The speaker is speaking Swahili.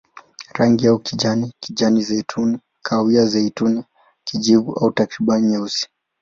Rangi yao kijani, kijani-zeituni, kahawia-zeituni, kijivu au takriban nyeusi.